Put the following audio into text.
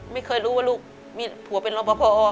ไม่เคยรู้ว่าลูกมีผัวเป็นรอปภ